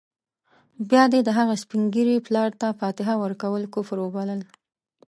بيا دې د هغه سپین ږیري پلار ته فاتحه ورکول کفر وبلل.